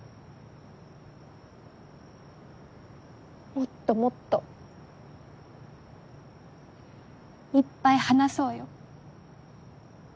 もっともっといっぱい話そうよ。